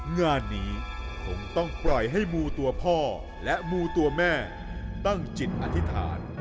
งานนี้คงต้องปล่อยให้มูตัวพ่อและมูตัวแม่ตั้งจิตอธิษฐาน